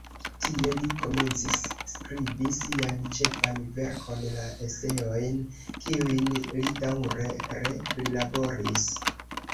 Tie li komencis skribi sian ĉefan verkon, la "Eseojn", kiujn li daŭre re-prilaboris.